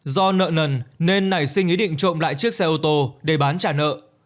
do nợ nần nên nảy sinh ý định trộm lại chiếc xe ô tô để bán trả nợ